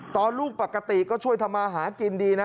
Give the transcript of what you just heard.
ตอนลูกปกติก็ช่วยทำมาหากินดีนะ